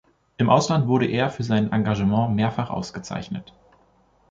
Im Ausland wurde er für sein Engagement mehrfach ausgezeichnet.